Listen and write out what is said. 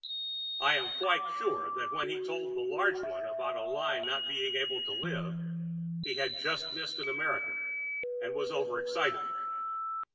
I am quite sure that when he told that large one about a lie not being able to live he had just missed an American and was over excited.